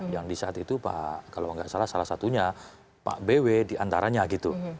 yang di saat itu pak kalau nggak salah salah satunya pak bw diantaranya gitu